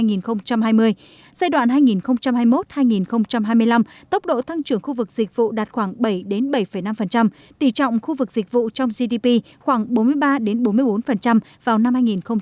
giai đoạn hai nghìn hai mươi một hai nghìn hai mươi năm tốc độ tăng trưởng khu vực dịch vụ đạt khoảng bảy bảy năm tỷ trọng khu vực dịch vụ trong gdp khoảng bốn mươi ba bốn mươi bốn vào năm hai nghìn hai mươi